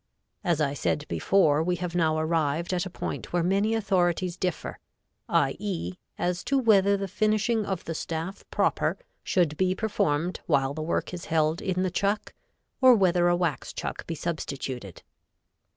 As I said before, we have now arrived at a point where many authorities differ, i. e., as to whether the finishing of the staff proper, should be performed while the work is held in the chuck, or whether a wax chuck be substituted.